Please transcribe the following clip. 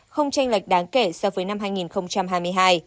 không tranh lệch đáng kể so với năm hai nghìn hai mươi hai